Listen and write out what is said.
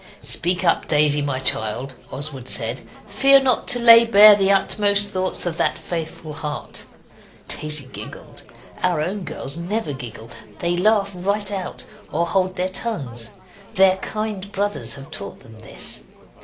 'Speak up, Daisy, my child.' Oswald said; 'fear not to lay bare the utmost thoughts of that faithful heart.' Daisy giggled. Our own girls never giggle they laugh right out or hold their tongues. Their kind brothers have taught them this.